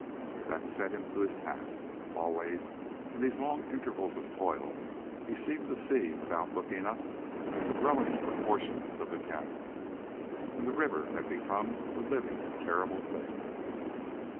That set him to his task. Always in these long intervals of toil he seemed to see, without looking up, the growing proportions of the cañon. And the river had become a living, terrible thing.